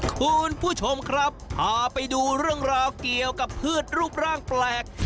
คุณผู้ชมครับพาไปดูเรื่องราวเกี่ยวกับพืชรูปร่างแปลก